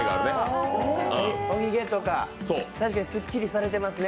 おひげとかすっきりされてますね。